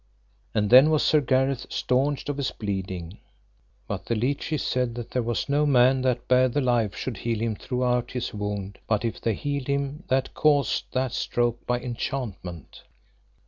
And then was Sir Gareth staunched of his bleeding. But the leeches said that there was no man that bare the life should heal him throughout of his wound but if they healed him that caused that stroke by enchantment.